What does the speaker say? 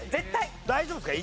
大丈夫ですか？